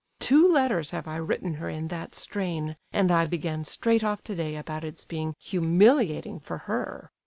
Two letters have I written her in that strain, and I began straight off today about its being humiliating for her.